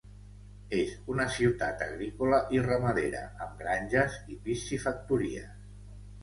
És una ciutat agrícola i ramadera amb granges i piscifactories.